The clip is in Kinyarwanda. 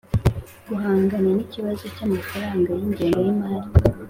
guhangana n'ikibazo cy'amafaranga y'ingengo y'imari